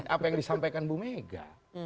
apa yang disampaikan bu mega